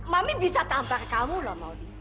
mami bisa tampar kamu loh maudie